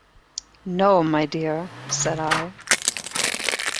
"No, my dear," said I.